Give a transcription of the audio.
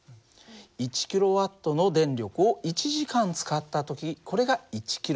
１ｋＷの電力を１時間使った時これが１ｋＷｈなんだ。